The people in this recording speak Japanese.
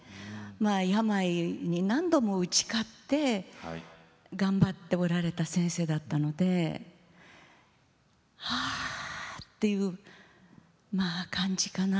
病に何度も打ち勝って頑張っておられた先生だったのではあという感じかな。